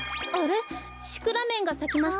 シクラメンがさきましたね。